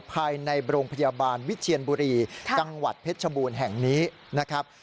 ภายในโรงพยาบาลวิเชียนบุรีจังหวัดเพชรชบูรณ์แห่งนี้นะครับ